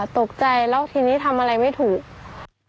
ตกใจแล้วทีนี้ทำอะไรไม่ถูก